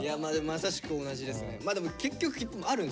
まさしく同じですね。